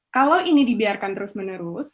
kalau ini dibiarkan terus menerus